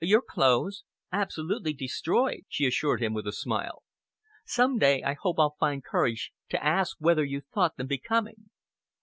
"Your clothes?" "Absolutely destroyed," she assured him with a smile. "Some day I hope I'll find courage to ask you whether you thought them becoming."